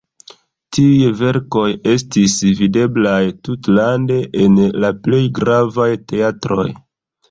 Tiuj verkoj estis videblaj tutlande en la plej gravaj teatroj.